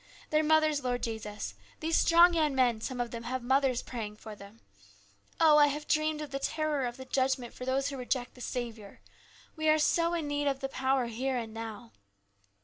Their mothers, Lord Jesus these strong young men, some of them, have mothers praying for them. Oh, I have dreamed of the terror of the judgment for those who reject the Saviour ! We are so in need of the power here and now.